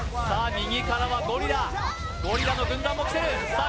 右からはゴリラゴリラの軍団も来てるさあ